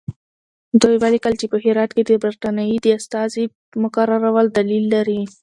دوی ولیکل چې په هرات کې د برټانیې د استازي مقررول دلیل لري.